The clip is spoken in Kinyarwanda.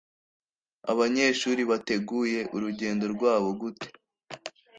Abanyeshuri bateguye urugendo rwabo gute?